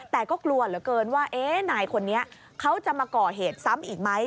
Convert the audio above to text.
แต่ก็กลัวเหลือเกินว่านายคนนี้เขาจะมาก่อเหตุซ้ำอีกไหม